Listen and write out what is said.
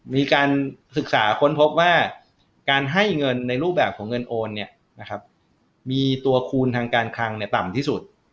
มีการศึกษาค้นพบว่าการให้เงินในรูปแบบของเงินโอนมีตัวคูณทางการคลังต่ำที่สุด